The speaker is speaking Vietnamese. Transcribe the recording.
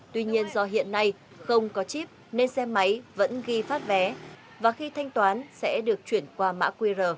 tuy nhiên do hiện nay không có chip nên xe máy vẫn ghi phát vé và khi thanh toán sẽ được chuyển qua mã qr